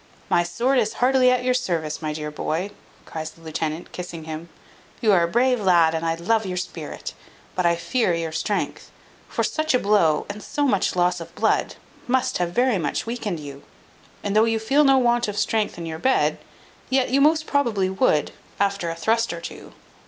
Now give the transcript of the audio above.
"My sword is heartily at your service, my dear boy," cries the lieutenant, kissing him; "you are a brave lad, and I love your spirit; but I fear your strength; for such a blow, and so much loss of blood, must have very much weakened you; and though you feel no want of strength in your bed, yet you most probably would after a thrust or two.